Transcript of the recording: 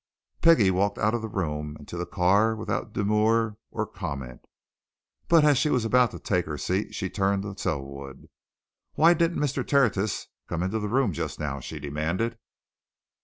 Peggie walked out of the room and to the car without demur or comment. But as she was about to take her seat she turned to Selwood. "Why didn't Mr. Tertius come into the room just now?" she demanded.